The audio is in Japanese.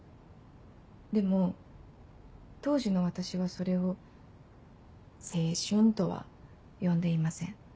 でも当時の私はそれを「青春」とは呼んでいません。